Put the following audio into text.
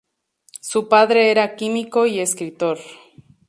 Su padre era químico y escritor.